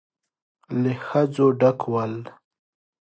له ښځو ډک ول.